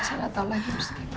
saya gak tahu lagi bos